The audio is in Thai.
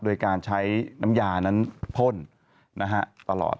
โดยการใช้น้ำยานั้นพ่นตลอด